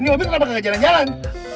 ini mobil kenapa ga jalan jalan